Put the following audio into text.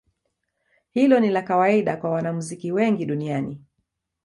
Hilo ni la kawaida kwa wanamuziki wengi duniani.